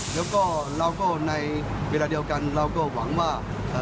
แล้วก็เราก็ในเวลาเดียวกันเราก็หวังว่า